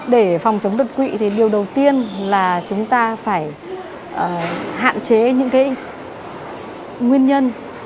để phòng chống đột quỵ thì điều đầu tiên là chúng ta phải hạn chế những nguyên nhân